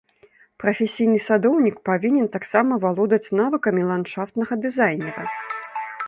Прафесійны садоўнік павінен таксама валодаць навыкамі ландшафтнага дызайнера.